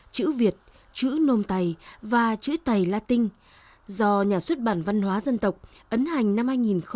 chữ việt chữ nôm tày và chữ tày latin do nhà xuất bản văn hóa dân tộc ấn hành năm hai nghìn một mươi chín